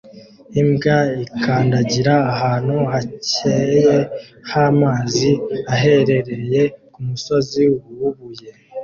Imbwa ikandagira ahantu hakeye h'amazi aherereye kumusozi wubuye